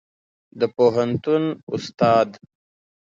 د پوهنتون استاد